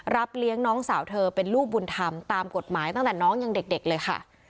เลี้ยงน้องสาวเธอเป็นลูกบุญธรรมตามกฎหมายตั้งแต่น้องยังเด็กเลยค่ะ